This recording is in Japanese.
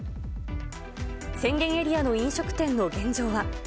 宣言エリアの飲食店の現状は。